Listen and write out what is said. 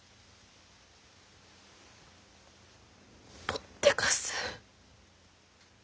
ぽってかす。